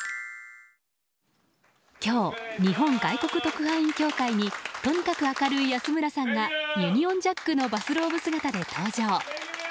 今日、日本外国特派員協会にとにかく明るい安村さんがユニオンジャックのバスローブ姿で登場。